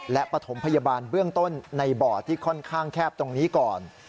และปฐมพยาบาลเบื้องต้นในบ่อที่ค่อนข้างแคบตรงนี้ก่อน